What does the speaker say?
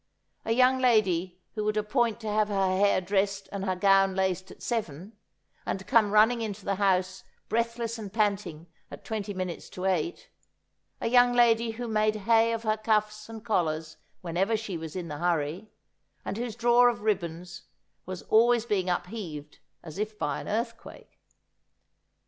A young lady who would appoint to have her hair dressed and her gown laced at seven, and come running into the house breathless and panting at twenty minutes to eight ; a young lady who made hay of her cuffs and collars whenever she was in a hurry, and whose drawer of ribbons was always being upheaved as if by an earthquake.